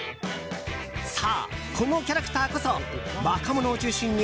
そう、このキャラクターこそ若者を中心に